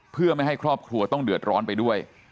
เพื่อไม่ให้ครอบครัวต้องเดือดร้อนไปด้วย